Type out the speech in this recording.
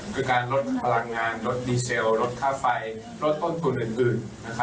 คือการลดพลังงานลดดีเซลลดค่าไฟลดต้นทุนอื่น